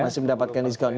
masih mendapatkan diskon